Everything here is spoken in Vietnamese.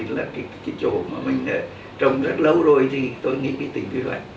nhưng bây giờ là hà nội là cái chỗ mà mình trồng rất lâu rồi thì tôi nghĩ cái tính quy hoạch